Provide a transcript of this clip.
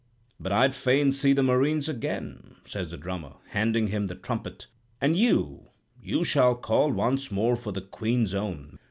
"'But I'd fain see the Marines again,' says the drummer, handing him the trumpet; 'and you, you shall call once more for the Queen's Own.